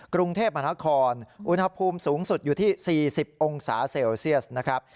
กรุงเทพมหานครอุณหภูมิสูงสุดอยู่ที่๔๐องศาเซลเซียสนะครับ